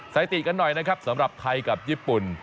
สถิติกันหน่อยนะครับสำหรับไทยกับญี่ปุ่น